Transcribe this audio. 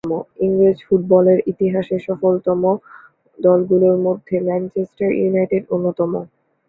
ইংরেজ ফুটবলের ইতিহাসে সফলতম দলগুলোর মধ্যে ম্যানচেস্টার ইউনাইটেড অন্যতম।